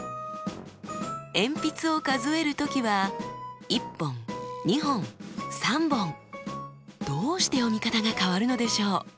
鉛筆を数える時はどうして読み方が変わるのでしょう？